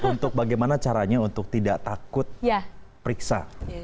untuk bagaimana caranya untuk tidak takut periksa